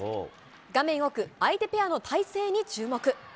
画面奥、相手ペアの体勢に注目。